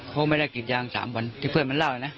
เขาไม่ได้กรีดยาง๓วันที่เพื่อนมันเล่านะ